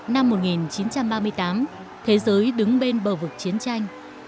năm một nghìn chín trăm ba mươi tám thế giới đứng bên bờ vực chiến tranh